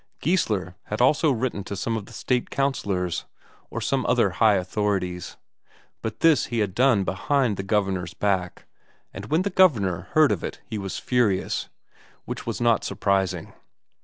Geissler had also written to some of the State Councillors, or some other high authorities; but this he had done behind the Governor's back, and when the Governor heard of it he was furious, which was not surprising.